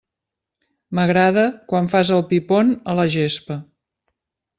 M'agrada quan fas el pi pont a la gespa.